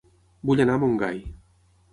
Vull anar a Montgai